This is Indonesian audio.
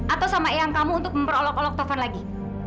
atau sama eyang kamu untuk memperolok olok tovan lagi